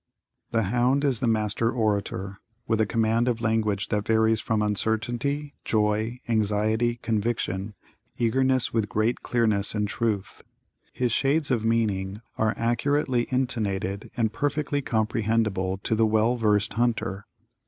The hound is the master orator, with a command of language that varies from uncertainty, joy, anxiety, conviction, eagerness with great clearness and truth. His shades of meaning are accurately intonated and perfectly comprehendible to the well versed hunter.